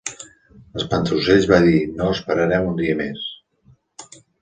L'espantaocells va dir "No esperarem un dia més".